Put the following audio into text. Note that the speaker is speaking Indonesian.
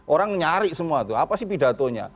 orang nyari semua tuh apa sih pidatonya